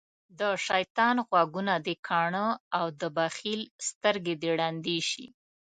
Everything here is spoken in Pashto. دشيطان غوږونه دکاڼه او دبخیل سترګی د ړندی شی